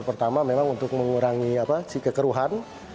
yang pertama memang untuk mengurangi kekeruhan